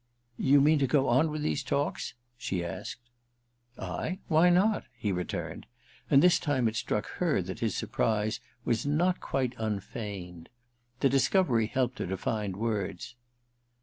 * You mean to go on with these talks ?' she asked. * I — why not ?' he returned ; and this time it struck her that his surprise was not quite II THE RECKONING 215 unfeigned. The perception helped her to find words.